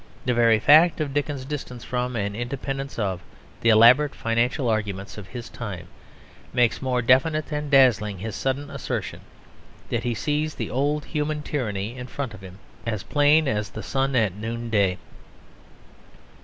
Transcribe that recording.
The very fact of Dickens's distance from, and independence of, the elaborate financial arguments of his time, makes more definite and dazzling his sudden assertion that he sees the old human tyranny in front of him as plain as the sun at noon day.